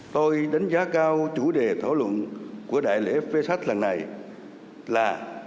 tôi đánh giá cao chủ đề thảo luận của đại lễ vê sách lần này là